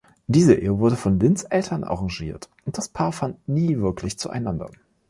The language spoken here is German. Diese Ehe wurde von Lins Eltern arrangiert und das Paar fand nie wirklich zueinander.